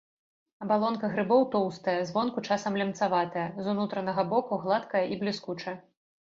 Абалонка грыбоў тоўстая, звонку часам лямцаватая, з унутранага боку гладкая і бліскучая.